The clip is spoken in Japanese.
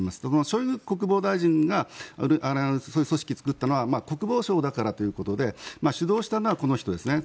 ショイグ国防大臣がそういう組織を作ったのは国防相だからということで主導したのはこの人ですね。